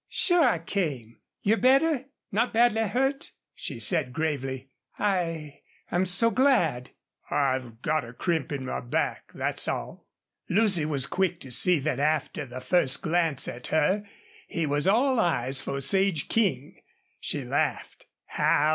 "Sure I came.... You're better not badly hurt?" she said, gravely, "I I'm so glad." "I've got a crimp in my back, that's all." Lucy was quick to see that after the first glance at her he was all eyes for Sage King. She laughed.